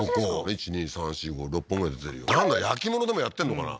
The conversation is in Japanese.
１２３４５６本ぐらい出てるよなんか焼き物でもやってんのかな？